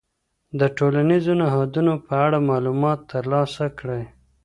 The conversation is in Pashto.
د ټولنیزو نهادونو په اړه معلومات ترلاسه کړئ.